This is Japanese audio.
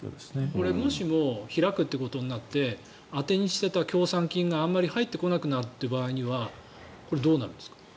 これ、もしも開くということになって当てにしていた協賛金があまり入ってこなくなった場合にはこれ、どうなるんですか？